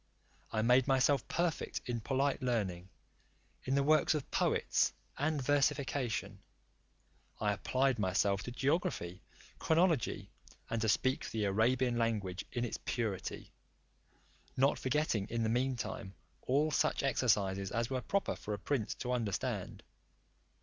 I made myself perfect in polite learning, in the works of poets, and versification. I applied myself to geography, chronology, and to speak the Arabian language in its purity; not forgetting in the meantime all such exercises as were proper for a prince to understand.